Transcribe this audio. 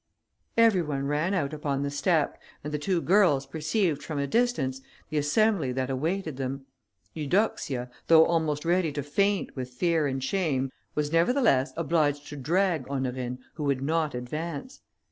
Every one ran out upon the step, and the two girls perceived, from a distance, the assembly that awaited them. Eudoxia, though almost ready to faint with fear and shame, was, nevertheless, obliged to drag Honorine, who would not advance.